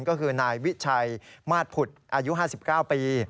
ก็คือนายวิชัยมาสผุดอายุ๕๙ปี